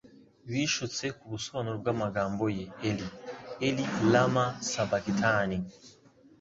Bishutse ku busobanuro bw'amagambo ye Eli, Eli, Lama Sabakitani?"